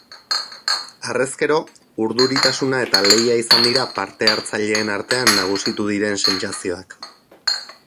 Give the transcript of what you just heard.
Harrezkero, urduritasuna eta lehia izan dira parte-hartzaileen artean nagusitu diren sentsazioak.